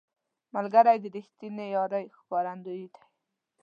ملګری د رښتینې یارۍ ښکارندوی دی